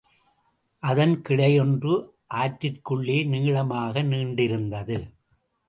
அதன் கிளையொன்று ஆற்றிற்குள்ளே நீளமாக நீண்டிருந்தது.